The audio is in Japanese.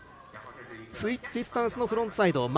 スイッチスタンスのフロントサイド。